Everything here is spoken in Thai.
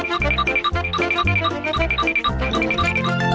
สวัสดีค่ะ